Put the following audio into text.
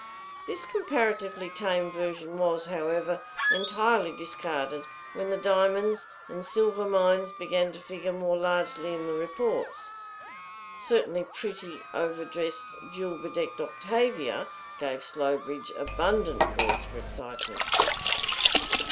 This comparatively tame version was, however, entirely discarded when the diamonds and silver mines began to figure more largely in the reports. Certainly, pretty, overdressed, jewel bedecked Octavia gave Slowbridge abundant cause for excitement.